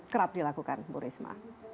kerap dilakukan bu risma